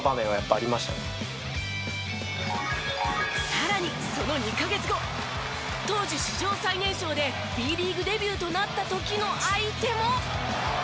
さらにその２カ月後当時史上最年少でＢリーグデビューとなった時の相手も。